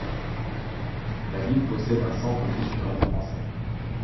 La ville possède un centre culturel français.